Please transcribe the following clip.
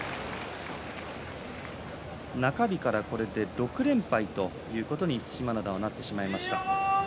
中日から、これで６連敗ということに對馬洋はなってしまいました。